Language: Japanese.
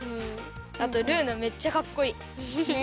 あとルーナめっちゃかっこいい。ね！